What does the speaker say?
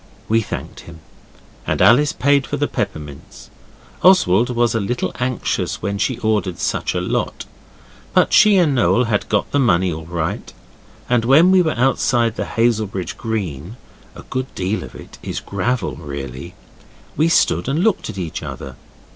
We thanked him, and Alice paid for the peppermints. Oswald was a little anxious when she ordered such a lot, but she and Noel had got the money all right, and when we were outside on Hazelbridge Green (a good deal of it is gravel, really), we stood and looked at each other.